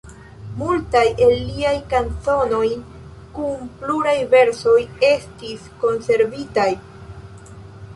Multaj el liaj kanzonoj kun pluraj versoj estis konservitaj.